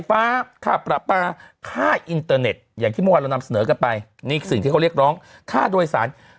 แต่ก็เอาจริงคือไม่ได้รุนแรงวันนี้ไม่ได้รุนแรง